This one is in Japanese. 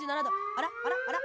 あらあらあら？